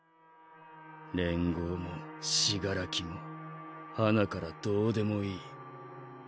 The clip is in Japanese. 連合も死柄木も最初からどうでもいい。